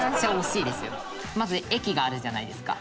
「まず駅があるじゃないですか」